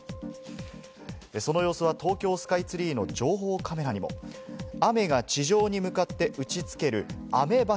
その様子は東京スカイツリーの情報カメラにも雨が地上に向かって打ち付ける雨柱。